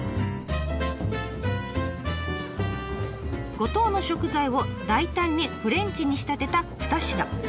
五島の食材を大胆にフレンチに仕立てた２品。